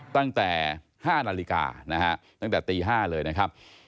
ตั้งแต่๕นาฬิกานะฮะตั้งแต่ตี๕เลยนะครับ